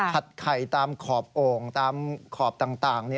ไข่ตามขอบโอ่งตามขอบต่าง